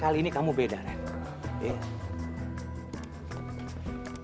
kali ini kamu beda ren